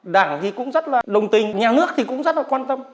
đảng thì cũng rất là đồng tình nhà nước thì cũng rất là quan tâm